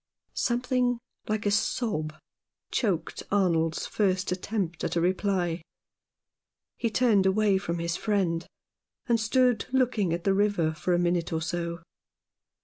Something like a sob choked Arnold's first attempt at a reply ; he turned away from his friend, and stood looking at the river for a minute or so.